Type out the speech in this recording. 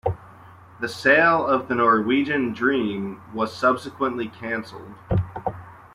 The sale of the "Norwegian Dream" was subsequently canceled.